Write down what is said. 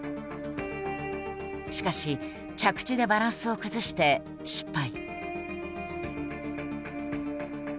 しかし着地でバランスを崩して失敗。